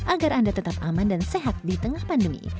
agar anda tetap aman dan sehat di tengah pandemi